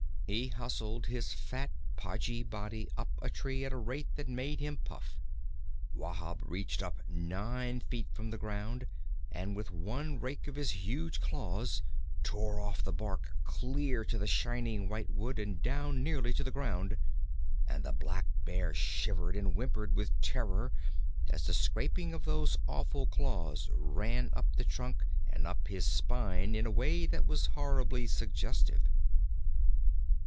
He hustled his fat, podgy body up a tree at a rate that made him puff. Wahb reached up nine feet from the ground, and with one rake of his huge claws tore off the bark clear to the shining white wood and down nearly to the ground; and the Blackbear shivered and whimpered with terror as the scraping of those awful claws ran up the trunk and up his spine in a way that was horribly suggestive.